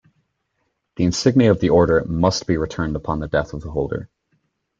The insignia of the Order must be returned upon the death of the holder.